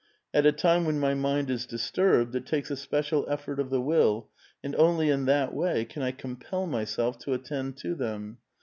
At a time when my mind is disturbed, it takes a special effort of the will, and only in that way can I compel myself to attend to them.